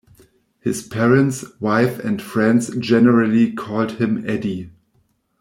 His parents, wife, and friends generally called him Eddie.